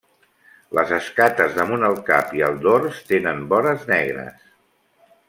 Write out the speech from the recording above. Les escates damunt el cap i el dors tenen vores negres.